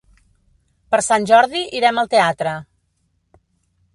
Per Sant Jordi irem al teatre.